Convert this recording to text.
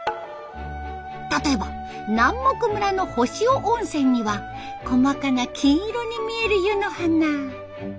例えば南牧村の星尾温泉には「細かな金色にみえる湯の花」。